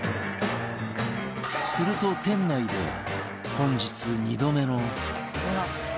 すると店内では本日２度目の